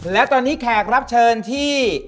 และตอนนี้แขกรับเชิญที่